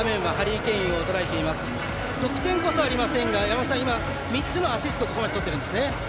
得点こそありませんが３つのアシストをここまでとっているんですね。